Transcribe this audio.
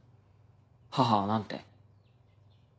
母は何て？